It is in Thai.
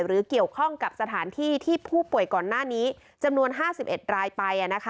หรือเกี่ยวข้องกับสถานที่ที่ผู้ป่วยก่อนหน้านี้จำนวน๕๑รายไป